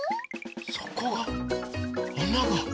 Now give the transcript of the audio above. そこがあなが。